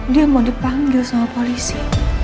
dia mau dipanggil sama polisi